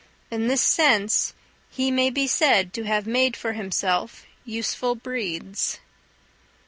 In this sense he may be said to have made for himself useful breeds.